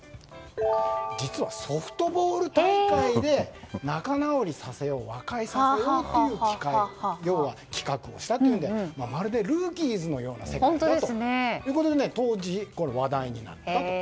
実は、ソフトボール大会で仲直りさせよう和解させようということを企画をしたというのでまるで「ＲＯＯＫＩＥＳ」のような世界ということで当時、話題になったと。